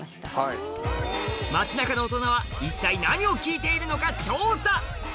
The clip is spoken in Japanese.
街中でオトナは一体何を聴いているのか調査！